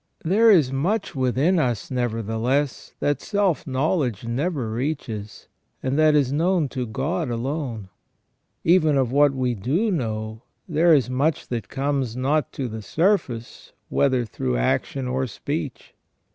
There is much within us, neverthe less, that self knowledge never reaches, and that is known to God alone. Even of what we do know, there is much that comes not to the surface whether through action or speech.